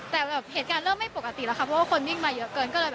แต่แบบเหตุการณ์เริ่มไม่ปกติแล้วค่ะเพราะว่าคนวิ่งมาเยอะเกินก็เลย